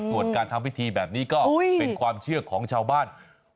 ส่วนการทำพิธีแบบนี้ก็เป็นความเชื่อของชาวบ้าน